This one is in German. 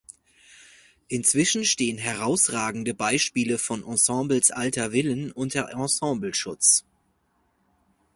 Inzwischen stehen herausragende Beispiele von Ensembles alter Villen unter Ensembleschutz.